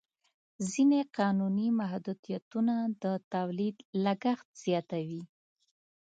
ځینې قانوني محدودیتونه د تولید لګښت زیاتوي.